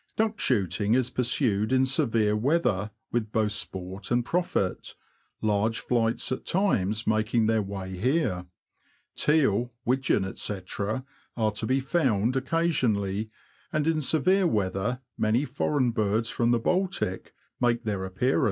Duck shooting is pursued in severe weather with both sport and profit, large flights at times making their way here. Teal, widgeon, &c., are to be found occasionally, and in severe weather many foreign birds from the Baltic make their appearance.